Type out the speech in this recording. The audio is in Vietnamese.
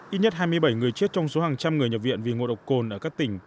ít nhất hai mươi bảy người chết trong số hàng trăm người nhập viện vì ngộ độc cồn ở các tỉnh